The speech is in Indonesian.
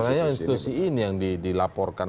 maksudnya institusi ini yang dilaporkan atau yang dilaporkan